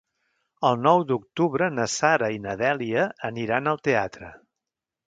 El nou d'octubre na Sara i na Dèlia aniran al teatre.